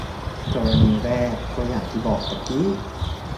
กรณีแรกก็อย่างที่บอกตะกี้